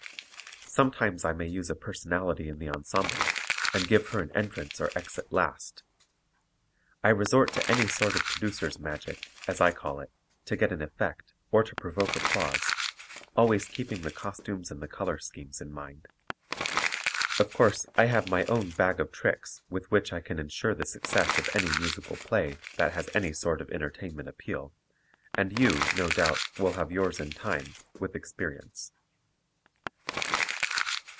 Sometimes I may use a personality in the ensemble and give her an entrance or exit last. I resort to any sort of producer's magic, as I call it, to get an effect or to provoke applause, always keeping the costumes and the color schemes in mind. Of course, I have my own "bag of tricks" with which I can insure the success of any musical play that has any sort of entertainment appeal, and you, no doubt, will have yours in time, with experience.